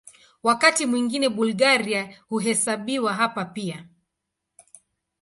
Wakati mwingine Bulgaria huhesabiwa hapa pia.